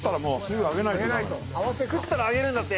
食ったら上げるんだって。